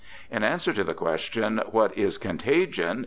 In answer to the question, What is contagion